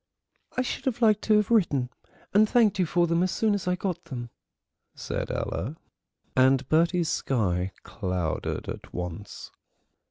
"I should have liked to have written and thanked you for them as soon as I got them," said Ella, and Bertie's sky clouded at once.